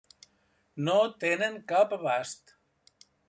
No tenen cap abast.